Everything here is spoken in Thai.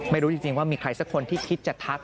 ไม่รู้จริงว่ามีใครสักคนที่คิดจะทัก